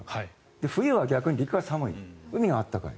冬は逆に陸は寒い海が温かい。